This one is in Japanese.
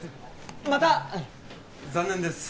また残念です